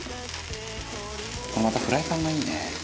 「またフライパンがいいね」